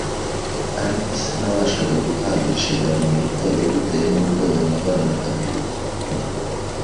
ariko sinabashaga guhabwa inshingano mu itorero bitewe n’ubwoba nahoranaga muri jye.